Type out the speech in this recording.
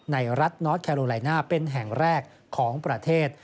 ในรัฐนอสแคโรไลน่าเป็นแห่งแรกของประเทศ